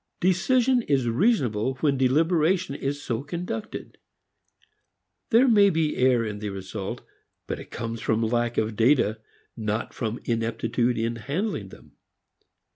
Decision is reasonable when deliberation is so conducted. There may be error in the result, but it comes from lack of data not from ineptitude in handling them.